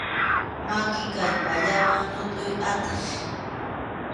Maki kallpallawan ñutʼuy atiy.